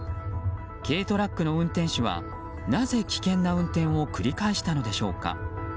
軽トラックの運転手はなぜ危険な運転を繰り返したのでしょうか。